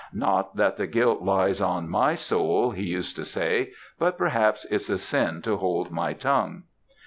"Not that the guilt lies on my soul, he used to say, but perhaps it's a sin to hold my tongue."